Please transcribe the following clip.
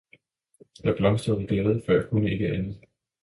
Jeg blomstrede i glæde, for jeg kunne ikke andet.